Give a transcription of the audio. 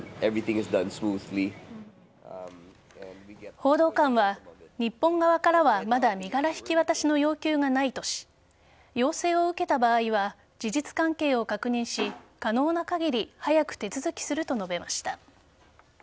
報道官は日本側からはまだ身柄引き渡しの要求がないとし要請を受けた場合は事実関係を確認し可能な限り早く手続きすると述べました。